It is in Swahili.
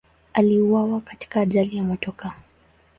Aliuawa katika ajali ya motokaa.